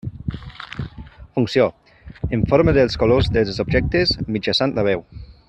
Funció: informa dels colors dels objectes mitjançant la veu.